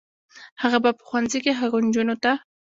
هغه به په ښوونځي کې هغو نجونو ته